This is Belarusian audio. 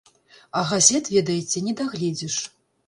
А газет, ведаеце, не дагледзіш.